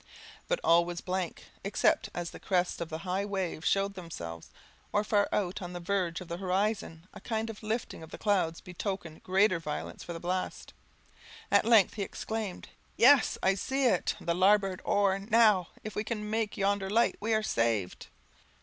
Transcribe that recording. But all was blank, except as the crests of the high waves showed themselves, or far out on the verge of the horizon, a kind of lifting of the clouds betokened greater violence for the blast. At length he exclaimed "Yes, I see it! the larboard oar! now! if we can make yonder light, we are saved!"